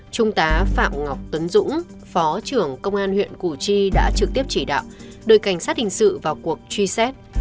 trung tá phạm ngọc tuấn dũng phó trưởng công an huyện củ chi đã trực tiếp chỉ đạo đội cảnh sát hình sự vào cuộc truy xét